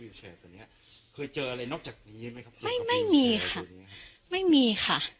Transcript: เฉยตอนเนี้ยเคยเจออะไรนอกจากนี้ใช่ไหมครับไม่ไม่มีค่ะไม่มีค่ะ